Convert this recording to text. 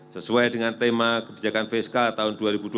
sesuai dengan tema kebijakan fiskal tahun dua ribu dua puluh